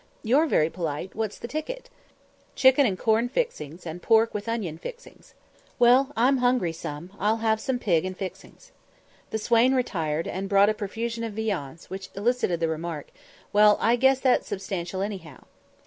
"You're very polite; what's the ticket?" "Chicken and corn fixings, and pork with onion fixings." "Well, I'm hungry some; I'll have some pig and fixings." The swain retired, and brought a profusion of viands, which elicited the remark, "Well, I guess that's substantial, anyhow."